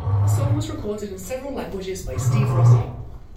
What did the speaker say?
The song was recorded in several languages by Steve Rossi.